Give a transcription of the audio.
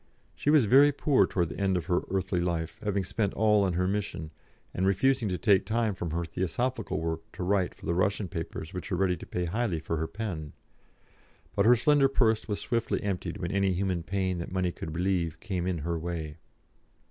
She was very poor towards the end of her earthly life, having spent all on her mission, and refusing to take time from her Theosophical work to write for the Russian papers which were ready to pay highly for her pen. But her slender purse was swiftly emptied when any human pain that money could relieve came in her way.